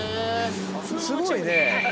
すごいね。